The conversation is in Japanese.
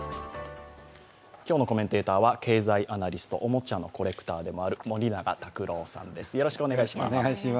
今日のコメンテーターは経済アナリストおもちゃのコレクターでもある森永卓郎さんです。